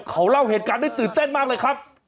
เขาเล่าเหตุการณ์ได้ตื่นเต้นมากเลยครับ